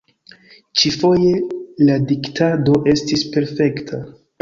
Ĉi-foje la diktado estis perfekta.